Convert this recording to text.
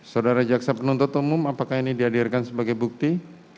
saudara jaksa penuntut umum apakah ini dihadirkan sebagai bukti